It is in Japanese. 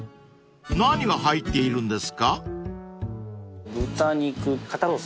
［何が入っているんですか？］